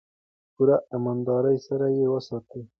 په پوره امانتدارۍ سره یې وساتو.